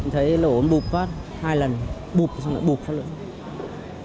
thấy lỗ bụp quá hai lần bụp xong lại bụp phát lưỡi